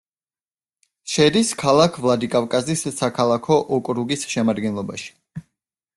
შედის ქალაქ ვლადიკავკაზის საქალაქო ოკრუგის შემადგენლობაში.